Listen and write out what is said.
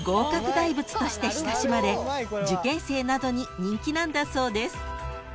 ［として親しまれ受験生などに人気なんだそうです］